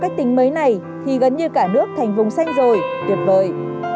các tính mới này thì gần như cả nước thành vùng xanh rồi tuyệt vời